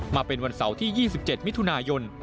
มาเป็นวันเสาร์ที่๒๗มิถุนายน